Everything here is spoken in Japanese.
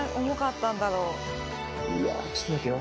いやちょっと待ってよ。